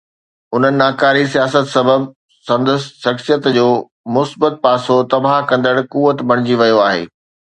ان ناڪاري سياست سبب سندس شخصيت جو مثبت پاسو تباهه ڪندڙ قوت بڻجي ويو آهي.